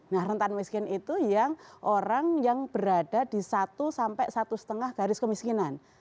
nah rentan miskin itu yang orang yang berada di satu sampai satu lima garis kemiskinan